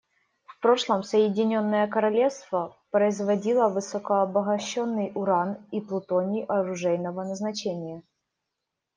В прошлом Соединенное Королевство производило высокообогащенный уран и плутоний оружейного назначения.